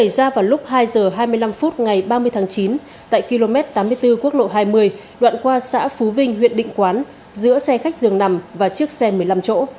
ra vào lúc hai h hai mươi năm phút ngày ba mươi tháng chín tại km tám mươi bốn quốc lộ hai mươi đoạn qua xã phú vinh huyện định quán giữa xe khách dường nằm và chiếc xe một mươi năm chỗ